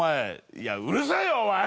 いやうるせえよお前。